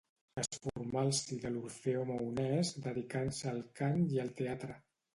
Es formà al si de l'Orfeó Maonès dedicant-se al cant i al teatre.